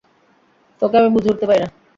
তোকে আমি বুঝে উঠতে পারি না।